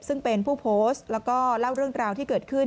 ซึ่งเป็นผู้โพสต์แล้วก็เล่าเรื่องราวที่เกิดขึ้น